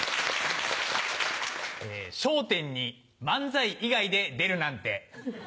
『笑点』に漫才以外で出るなんて。